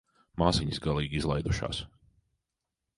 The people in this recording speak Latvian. Māsiņas galīgi izlaidušās.